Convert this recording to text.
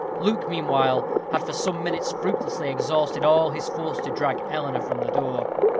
Luke, meanwhile, had for some minutes fruitlessly exhausted all his force to drag Eleanor from the door.